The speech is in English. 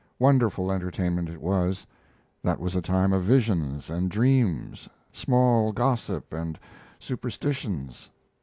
Wonderful entertainment it was. That was a time of visions and dreams, small. gossip and superstitions.